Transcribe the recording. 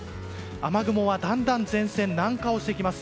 雨雲はだんだん前線南下をしていきます。